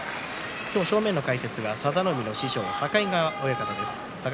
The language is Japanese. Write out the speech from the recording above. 正面の解説は佐田の海の師匠の境川親方です。